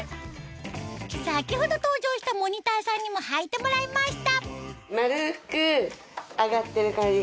先ほど登場したモニターさんにもはいてもらいました